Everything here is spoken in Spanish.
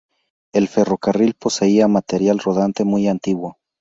El ferrocarril poseía material rodante muy antiguo.